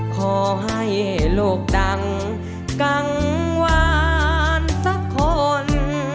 ขอให้โลกดังกังวานสักคน